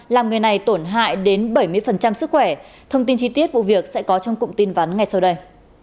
làm người này tổn hại đến bảy mươi sức khỏe thông tin chi tiết vụ việc sẽ có trong cụm tin vắn ngay sau đây